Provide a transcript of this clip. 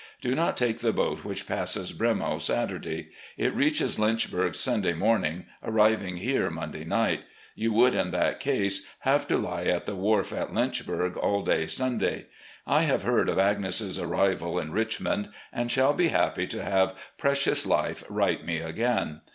Do not take the boat which passes 'Bremo' Saturday. It reaches Lynchburg Sunday morn ing, arriving here Monday night. You would in that case have to lie at the wharf at Lynchburg all day Sunday. I have heard of Agnes' arrival in Richmond, and shall be happy to have 'Precious Life' write me again.